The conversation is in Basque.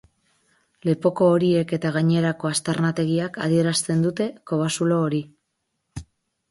Lepoko horiek eta gainerako aztarnategiak adierazten dute kobazulo hori.